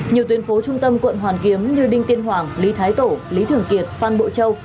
nhiều tuyến phố trung tâm quận hoàn kiếm như đinh tiên hoàng lý thái tổ lý thường kiệt phan bộ châu